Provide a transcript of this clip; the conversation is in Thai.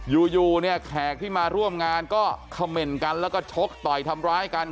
อยู่เนี่ยแขกที่มาร่วมงานก็เขม่นกันแล้วก็ชกต่อยทำร้ายกัน